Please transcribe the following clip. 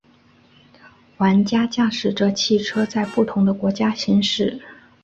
玩家驾驶着汽车在不同的国家行驶。